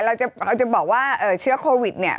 เราจะบอกว่าเชื้อโควิดเนี่ย